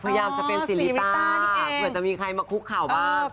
พยายามจะเป็นสิริต้าเผื่อจะมีใครมาคุกเข่าบ้าง